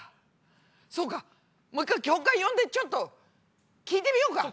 そうかもう一回教官呼んでちょっと聞いてみようか。